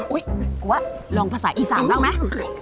อุ๊ยกูว่าลองภาษาอีสานต้องมั้ย